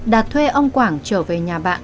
đạt thuê ông quảng trở về nhà bạn